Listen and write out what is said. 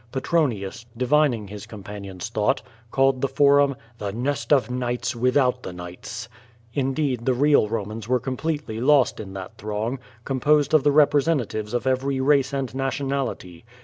Petronius, divining his companion's thought, called the Forum "The nest of Knights without the Knights.'^ Indeed, the real Romans were completely lost in that throng, composed of the representatives of every race and nationality.